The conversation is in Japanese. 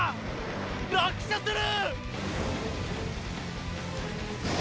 落車する！！